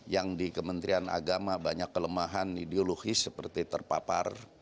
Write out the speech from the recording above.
yang di kementerian agama banyak kelemahan ideologis seperti terpapar